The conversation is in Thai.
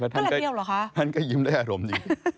ท่านก็เที่ยวเหรอคะท่านก็ยิ้มได้อารมณ์ดี